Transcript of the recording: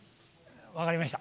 分かりました。